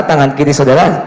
tangan kiri saudara